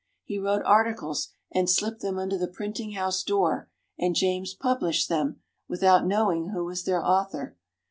He wrote articles and slipped them under the printing house door, and James published them, without knowing who was their author.